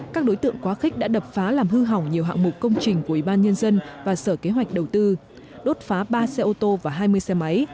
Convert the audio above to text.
các đối tượng quá khích đã đập phá làm hư hỏng nhiều hạng mục công trình của ủy ban nhân dân và sở kế hoạch đầu tư đốt phá ba xe ô tô và hai mươi xe máy